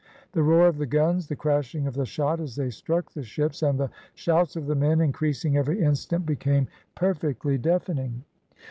The roar of the guns, the crashing of the shot as they struck the ships, and the shouts of the men, increasing every instant, became perfectly deafening.